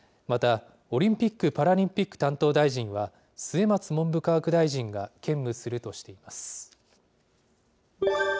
また、オリンピック・パラリンピック担当大臣は、末松文部科学大臣が兼務するとしています。